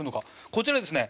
こちらですね